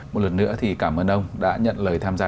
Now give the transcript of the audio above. một lần nữa thì cảm ơn ông đã nhận lời tham gia